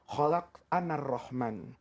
kholak an ar rahman